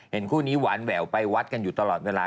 คู่นี้หวานแหววไปวัดกันอยู่ตลอดเวลา